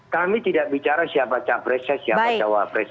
kami tidak bicara siapa capresnya siapa cawapres